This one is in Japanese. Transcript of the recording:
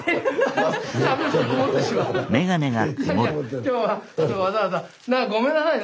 今日はわざわざごめんなさいね